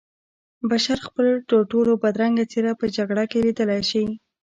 بشر خپله ترټولو بدرنګه څېره په جګړه کې لیدلی شي